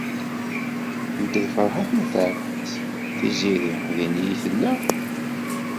Nekk d Ferḥat n At Ɛebbas. Tiziri din ay tella?